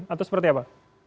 atau seperti apa